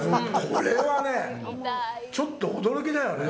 これはね、ちょっと驚きだよね。